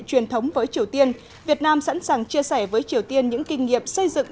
truyền thống với triều tiên việt nam sẵn sàng chia sẻ với triều tiên những kinh nghiệm xây dựng